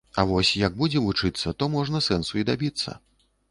А вось, як будзеце вучыцца, то можна сэнсу і дабіцца